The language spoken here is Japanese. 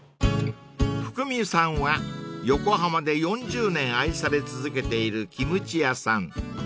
［福美さんは横浜で４０年愛され続けているキムチ屋さん］